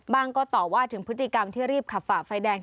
ก็ต่อว่าถึงพฤติกรรมที่รีบขับฝ่าไฟแดง